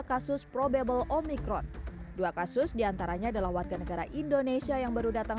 kasus probable omikron dua kasus diantaranya adalah warga negara indonesia yang baru datang